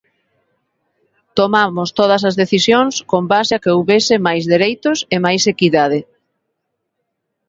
Tomamos todas as decisións con base a que houbese máis dereitos e máis equidade.